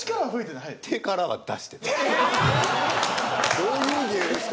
どういう芸ですか？